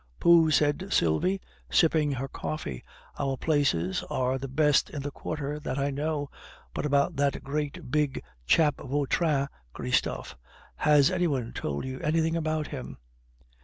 "Pooh!" said Sylvie, sipping her coffee, "our places are the best in the Quarter, that I know. But about that great big chap Vautrin, Christophe; has any one told you anything about him?"